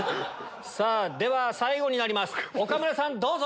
では最後になります岡村さんどうぞ！